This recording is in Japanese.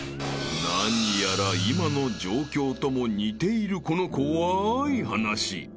［何やら今の状況とも似ているこの怖い話］